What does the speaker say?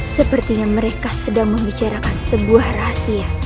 sepertinya mereka sedang membicarakan sebuah rahasia